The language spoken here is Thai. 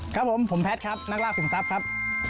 ครับผมผมแพทย์ครับนักล่าถึงทรัพย์ครับ